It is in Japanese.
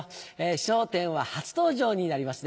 『笑点』は初登場になりますね。